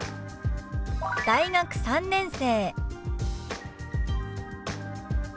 「大学３年生」。